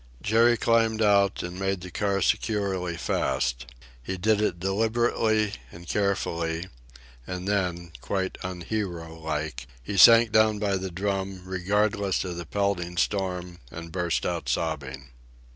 Jerry climbed out and made the car securely fast. He did it deliberately and carefully, and then, quite unhero like, he sank down by the drum, regardless of the pelting storm, and burst out sobbing.